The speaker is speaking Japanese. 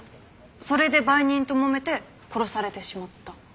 それで売人と揉めて殺されてしまった。